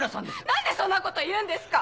何でそんなこと言うんですか！